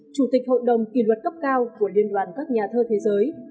chủ tịch hội đồng kỷ luật cấp cao của liên đoàn các nhà thơ thế giới